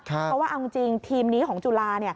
เพราะว่าเอาจริงทีมนี้ของจุฬา